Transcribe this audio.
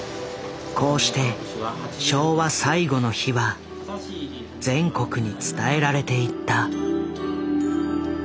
こうして昭和最後の日は全国に伝えられていった。